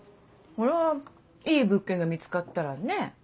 それはいい物件が見つかったらねぇ？